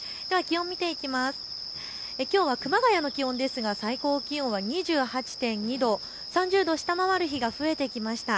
きょうは熊谷の気温ですが最高気温は２８．２度、３０度を下回る日が増えてきました。